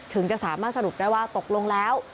ถึงจะสามารถสรุปได้ว่าตกลงแล้ว